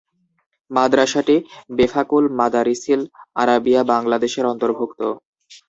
মাদ্রাসাটি বেফাকুল মাদারিসিল আরাবিয়া বাংলাদেশের অন্তর্ভুক্ত।